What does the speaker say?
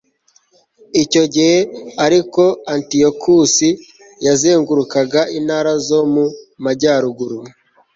icyo gihe ariko antiyokusi yazengurukaga intara zo mu majyaruguru